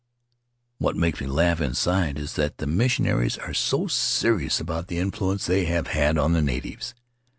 "What makes me laugh inside is that the mission aries are so serious about the influence they have had on the natives.